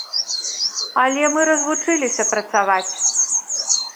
Але мы развучыліся працаваць.